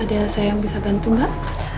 ada saya yang bisa bantu mbak